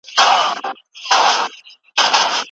سپوږمۍ د شپې په تاریکۍ کې ډېره ښکلې ښکاري.